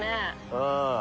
ああ。